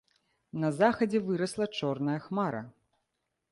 На захадзе вырасла чорная хмара.